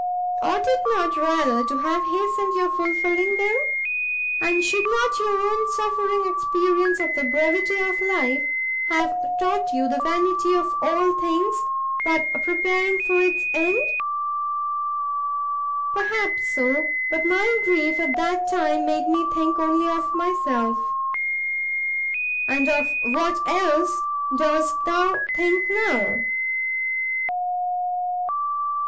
ought it not rather to have hastened your fulfilling them? and should not your own suffering experience of the brevity of life, have taught you the vanity of all things but preparing for its end?" "Perhaps so, but my grief at that time made me think only of myself." "And of what else dost thou think now?"